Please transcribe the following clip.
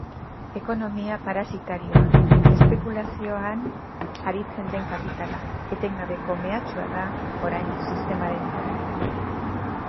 Ekonomia parasitarioa, espekulazioan aritzen den kapitala, etengabeko mehatxua da oraindik sistemarentzat.